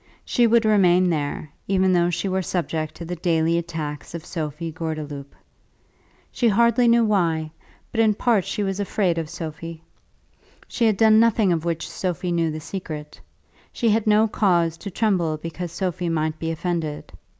She would remain there, even though she were subject to the daily attacks of Sophie Gordeloup. She hardly knew why, but in part she was afraid of Sophie. She had done nothing of which Sophie knew the secret. She had no cause to tremble because Sophie might be offended.